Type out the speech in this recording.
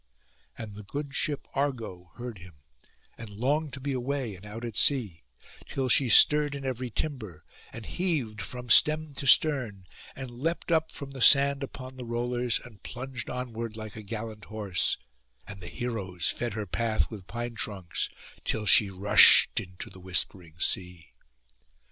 And the good ship Argo heard him, and longed to be away and out at sea; till she stirred in every timber, and heaved from stem to stern, and leapt up from the sand upon the rollers, and plunged onward like a gallant horse; and the heroes fed her path with pine trunks, till she rushed into the whispering sea.